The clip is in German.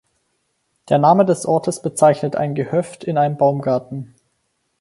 Der Name des Ortes bezeichnet ein Gehöft in einem Baumgarten.